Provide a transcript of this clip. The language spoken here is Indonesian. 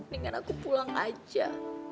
dengan aku pulang aja